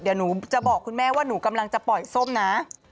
เดี๋ยวหนูจะบอกคุณแม่ว่าหนูกำลังจะปล่อยส้มนะ